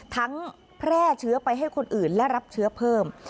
แพร่เชื้อไปให้คนอื่นและรับเชื้อเพิ่ม